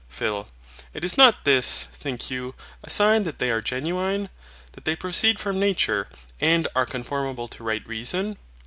PHIL. And is not this, think you, a sign that they are genuine, that they proceed from nature, and are conformable to right reason?